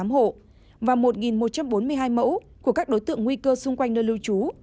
hai trăm hai mươi tám hộ và một một trăm bốn mươi hai mẫu của các đối tượng nguy cơ xung quanh nơi lưu trú